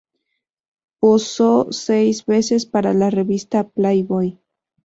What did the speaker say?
Posó seis veces para la revista "Playboy".